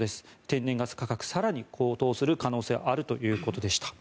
天然ガス価格更に高騰する可能性があるということでした。